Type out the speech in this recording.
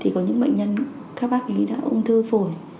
thì có những bệnh nhân các bác ý đã ung thư phổi